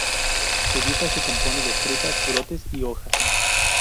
Su dieta se compone de frutas, brotes y hojas.